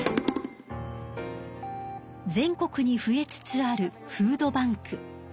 全国に増えつつあるフードバンク。